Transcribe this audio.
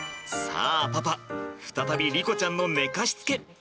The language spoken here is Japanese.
さあパパ再び莉子ちゃんの寝かしつけ。